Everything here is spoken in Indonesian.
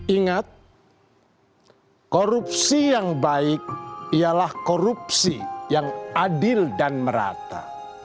ingat korupsi yang baik ialah korupsi yang adil dan merata